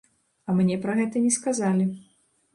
А мне пра гэта не сказалі.